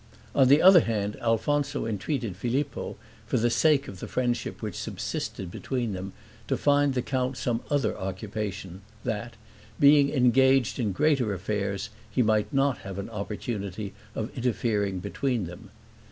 On the other hand, Alfonso entreated Filippo, for the sake of the friendship which subsisted between them, to find the count some other occupation, that, being engaged in greater affairs, he might not have an opportunity of interfering between them.